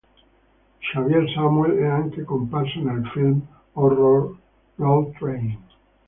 Xavier Samuel è anche comparso nel film horror "Road Train".